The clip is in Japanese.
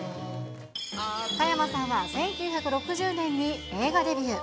加山さんは１９６０年に映画デビュー。